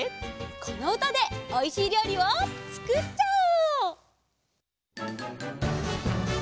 このうたでおいしいりょうりをつくっちゃおう！